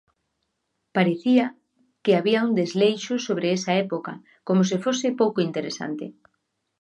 Parecía que había un desleixo sobre esa época, como se fose pouco interesante.